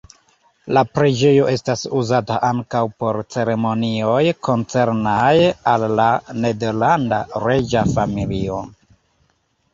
La preĝejo estas uzata ankaŭ por ceremonioj koncernaj al la nederlanda reĝa familio.